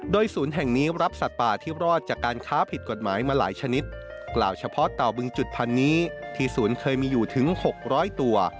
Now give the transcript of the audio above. โดยศูนย์แห่งนี้รับสัตว์ป่าที่รอดจากการค้าผิดกฎหมายมาหลายชนิดกล่าวเฉพาะเต่าบึงจุดพันนี้ที่ศูนย์เคยมีอยู่ถึง๖๐๐ตัว